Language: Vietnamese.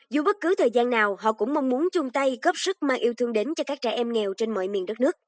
dù bất cứ thời gian nào họ cũng mong muốn chung tay góp sức mang yêu thương đến cho các trẻ em nghèo trên mọi miền đất nước